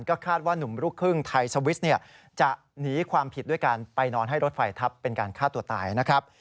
ก็คาดว่านุ่มลูกครึ่งไทยสวิสจะหนีความผิดด้วยการไปนอนให้รถไฟทับเป็นการฆ่าตัวตายนะครับ